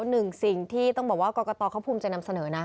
หนึ่งสิ่งที่ต้องบอกว่ากรกตเขาภูมิจะนำเสนอนะ